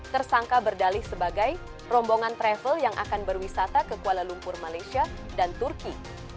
tersangka berdalih sebagai rombongan travel yang akan berwisata ke kuala lumpur malaysia dan turki